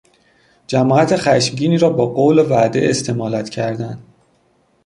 جماعت خشمگینی را با قول و وعده استمالت کردن